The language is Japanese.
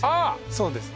そうです。